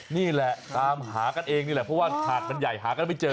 นี่แหละตามหากันเองนี่แหละเพราะว่าถาดมันใหญ่หากันไม่เจอ